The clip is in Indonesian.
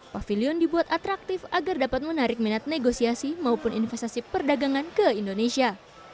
pavilion dibuat atraktif agar dapat menarik minat negosiasi maupun investasi perdagangan ke indonesia